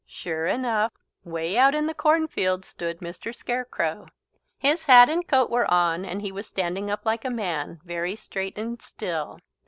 Sure enough, way out in the cornfield stood Mr. Scarecrow. His hat and coat were on and he was standing up like a man, very straight and still.